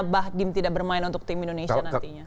bahdim tidak bermain untuk tim indonesia nantinya